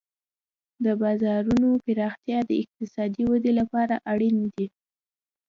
د بازارونو پراختیا د اقتصادي ودې لپاره اړین دی.